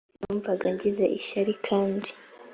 numvaga ngize ishyari kandi